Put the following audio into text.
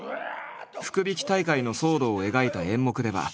福引き大会の騒動を描いた演目では。